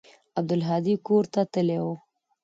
عبدالهادي کور ته تللى و.